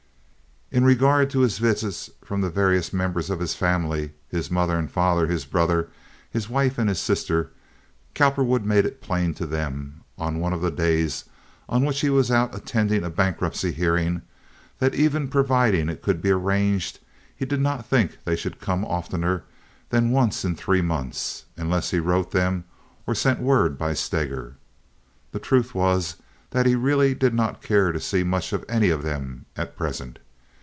In regard to visits from the various members of his family—his mother and father, his brother, his wife, and his sister—Cowperwood made it plain to them on one of the days on which he was out attending a bankruptcy hearing, that even providing it could be arranged he did not think they should come oftener than once in three months, unless he wrote them or sent word by Steger. The truth was that he really did not care to see much of any of them at present.